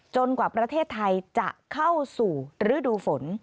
กว่าประเทศไทยจะเข้าสู่ฤดูฝน